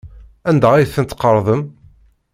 Anda ay tent-tqerḍem?